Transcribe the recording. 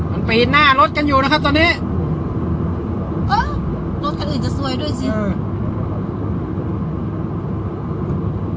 มันปีนหน้ารถกันอยู่นะครับตอนนี้เออรถคันอื่นจะซวยด้วยสิ